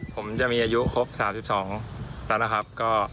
ผมจะมีอายุครบ๓๒แล้วนะครับ